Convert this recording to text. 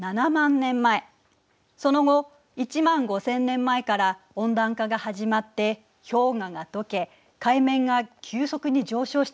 その後１万５，０００年前から温暖化が始まって氷河がとけ海面が急速に上昇したの。